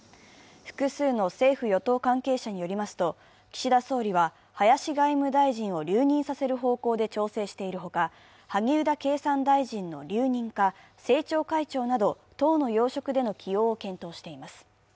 複数の政府・与党関係者によりますと、岸田総理は林外務大臣を留任させる方向で調整しているほか、萩生田経産大臣の留任か政調会長など党の要職での起用を検討しています。